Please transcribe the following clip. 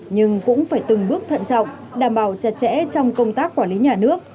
nhưng cũng phải từng bước thận trọng đảm bảo chặt chẽ trong công tác quản lý nhà nước